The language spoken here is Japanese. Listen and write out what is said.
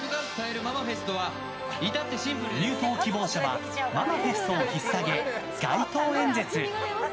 入党希望者はママフェストをひっさげ街頭演説。